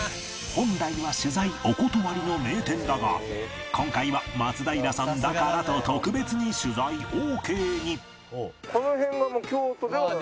本来は取材お断りの名店だが今回は松平さんだからと特別に取材オーケーに